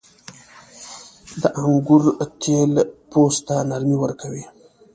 • د انګورو تېل پوست ته نرمي ورکوي.